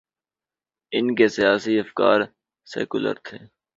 ان کے سیاسی افکار سیکولر تھے۔